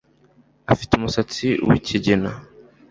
Afite umusatsi wikigina